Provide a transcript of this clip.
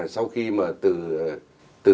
sau khi mà từ